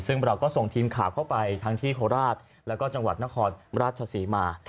ซึ่งเราก็ส่งทีมข่าวเข้าไปทั้งที่โคราชแล้วก็จังหวัดนครราชศรีมา